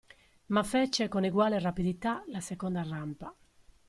Ma fece con eguale rapidità la seconda rampa.